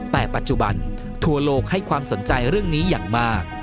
แต่ปัจจุบันทั่วโลกให้ความสนใจเรื่องนี้อย่างมาก